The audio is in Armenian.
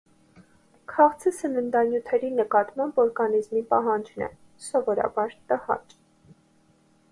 Քաղցը սննդանյութերի նկատմամբ օրգանիզմի պահանջն է (սովորաբար՝ տհաճ)։